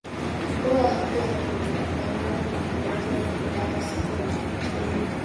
Mkuu wa haki za binadamu wa Umoja wa Ulaya siku ya Jumatano